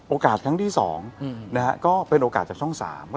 โอกาสครั้งที่สองนะฮะก็เป็นโอกาสจากช่องสาม